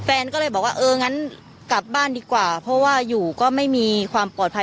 แฟนก็เลยบอกว่าเอองั้นกลับบ้านดีกว่าเพราะว่าอยู่ก็ไม่มีความปลอดภัย